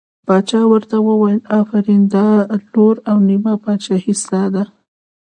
باچا ورته وویل آفرین دا لور او نیمه پاچهي ستا ده.